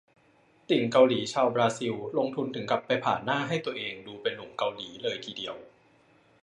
ติ่งเกาหลีชาวบราซิล ลงทุนถึงกับไปผ่าหน้าให้ตัวเองดูเป็นหนุ่มเกาหลีเลยทีเดียว